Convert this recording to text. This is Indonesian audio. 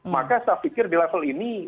maka saya pikir di level ini